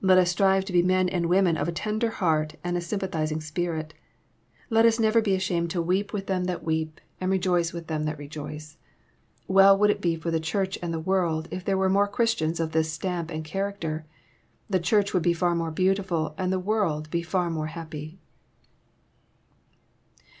Let us strive to be men and women of a tender heart and a sym pathizing spirit. Let us never be ashamed to weep with 270 EXPOsrroBT thoughts. them that weep, and rejoice with them that rejoice. Well would it be for the Church and the world if there were more Christians of this stamp and character I The Charch would be far more beautiftd, and the world be far more happy.